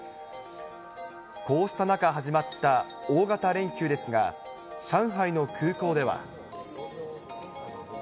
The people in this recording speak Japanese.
こうした中始まった大型連休ですが、上海の空港では。